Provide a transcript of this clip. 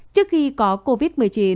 trước khi có covid một mươi chín